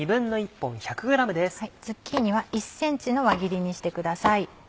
ズッキーニは１ｃｍの輪切りにしてください。